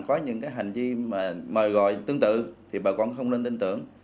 có những cái hành vi mà mời gọi tương tự thì bà con không nên tin tưởng